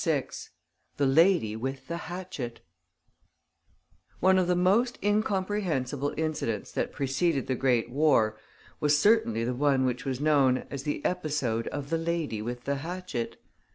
VI THE LADY WITH THE HATCHET One of the most incomprehensible incidents that preceded the great war was certainly the one which was known as the episode of the lady with the hatchet.